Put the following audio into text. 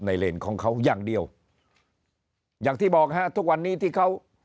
เลนของเขาอย่างเดียวอย่างที่บอกฮะทุกวันนี้ที่เขา